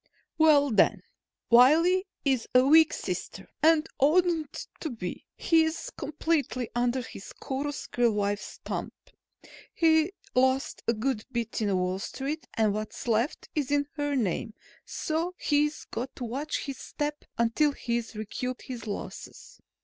"Well, then, Wiley is a weak sister and oughtn't to be. He's completely under his chorus girl wife's thumb. He lost a good bit in Wall Street and what's left is in her name, so he's got to watch his step until he's recouped his losses.